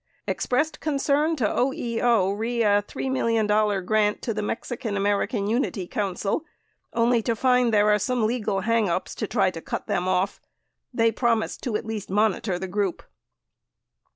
Expressed concern to OEO re a $3 million grant to the Mexican American Unity Council only to find there are some legal hang ups to try to cut them off. They promised to at least monitor the group.